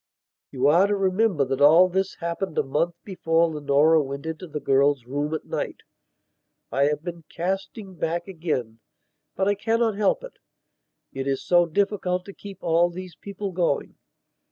You are to remember that all this happened a month before Leonora went into the girl's room at night. I have been casting back again; but I cannot help it. It is so difficult to keep all these people going.